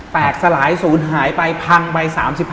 แตกสลายสูญหายไปพังไป๓๕